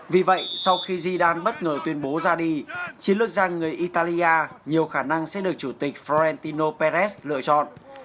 vì vậy sau khi zidane bất ngờ tuyên bố ra đi chiến lược gia người italia nhiều khả năng sẽ được chủ tịch florentino perez lựa chọn